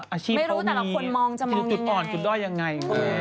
ไม่รู้แต่เราคนมองจะมองยังไงจุดอ่อนจุดล่อยยังไง